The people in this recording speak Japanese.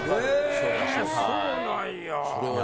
そうなんや。